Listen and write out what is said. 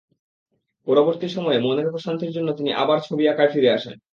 পরবর্তী সময়ে মনের প্রশান্তির জন্য তিনি আবার ছবি আঁকায় ফিরে আসেন।